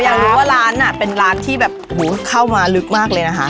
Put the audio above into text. อยากรู้ว่าร้านเป็นร้านที่แบบเข้ามาลึกมากเลยนะคะ